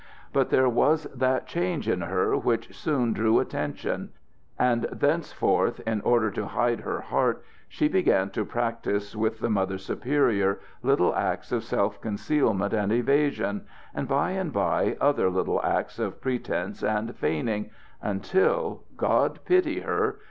But there was that change in her which soon drew attention; and thenceforth, in order to hide her heart, she began to practice with the Mother Superior little acts of self concealment and evasion, and by and by other little acts of pretense and feigning, until God pity her!